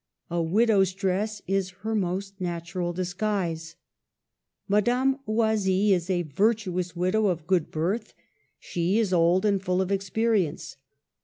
A widow's dress is her most natural disguise. Madame Oisille is a virtuous widow of good birth ; she is old and full of experience.